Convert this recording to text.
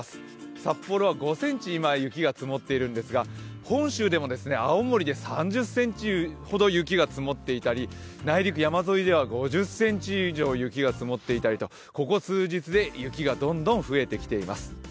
札幌は今、５ｃｍ、雪が積もっているんですが、本州でも青森で３０ｃｍほど雪が積もっていたり内陸、山沿いでは５０ｃｍ以上雪が積もっていたりとここ数日で雪がどんどん増えてきています。